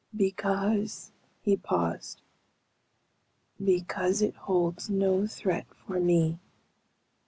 "Because ..." He paused. "Because it holds no threat for me.